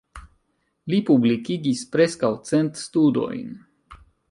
Li publikigis preskaŭ cent studojn.